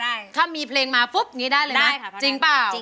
นี่ได้เลยมั้ยจริงเปล่าพะครูเห็นฟิกเปอร์ได้จริงค่ะ